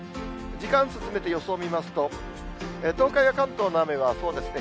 時間進めて予想を見ますと、東海や関東の雨は、そうですね。